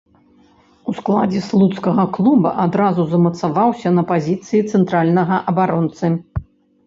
У складзе слуцкага клуба адразу замацаваўся на пазіцыі цэнтральнага абаронцы.